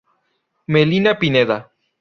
Melina Pineda.